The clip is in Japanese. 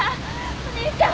お兄ちゃん。